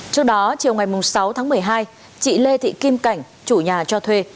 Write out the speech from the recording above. trước đó chiều ngày sáu tháng một mươi hai chị lê thị kim cảnh chủ nhà cho thuê